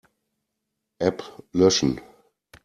App löschen.